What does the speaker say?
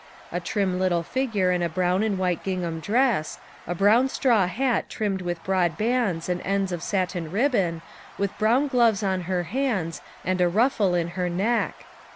A trim little figure in a brown and white gingham dress, a brown straw hat trimmed with broad bands and ends of satin ribbon, with brown gloves on her hands, and a ruffle in her neck.